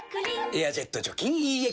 「エアジェット除菌ＥＸ」